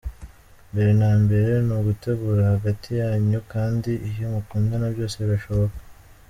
mbere na mbere nugutegurana hagati yanyu kandi iyo mukundana byose birashoboka.